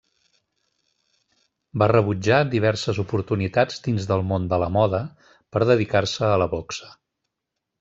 Va rebutjar diverses oportunitats dins del món de la moda, per dedicar-se a la boxa.